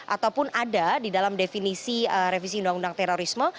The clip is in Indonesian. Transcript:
ataupun ada di dalam definisi revisi undang undang terorisme